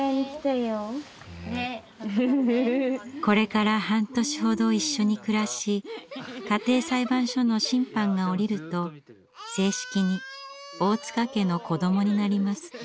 これから半年ほど一緒に暮らし家庭裁判所の審判が下りると正式に大塚家の子どもになります。